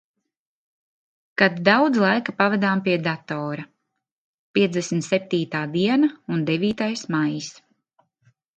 Kad daudz laika pavadām pie datora. Piecdesmit septītā diena un devītais maijs.